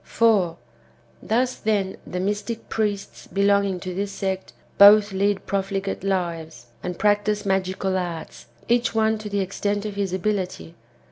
4. Thus, then, the mystic priests belonging to this sect both lead profligate lives and practise magical arts, each one to the extent of his ability.